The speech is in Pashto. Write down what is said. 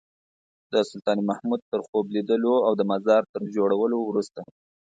د سلطان محمود تر خوب لیدلو او د مزار تر جوړولو وروسته.